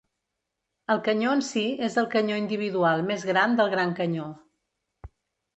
El canyó en sí és el canyó individual més gran del Gran Canyó.